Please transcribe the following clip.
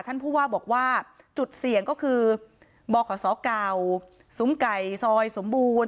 ท่านผู้ว่าบอกว่าจุดเสี่ยงก็คือบขศเก่าซุ้มไก่ซอยสมบูรณ